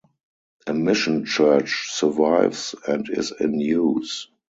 A mission church survives and is in use.